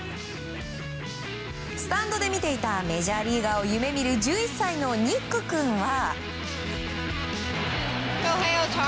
スタンドで見ていたメジャーリーガーを夢見る１１歳のニック君は。